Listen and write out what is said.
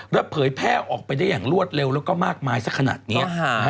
แล้วเผยแพร่ออกไปได้อย่างรวดเร็วแล้วก็มากมายสักขนาดนี้